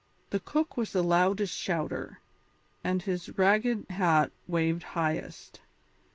The cook was the loudest shouter, and his ragged hat waved highest.